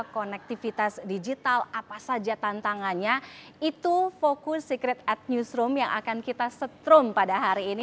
konektivitas digital apa saja tantangannya itu fokus secret at newsroom yang akan kita setrum pada hari ini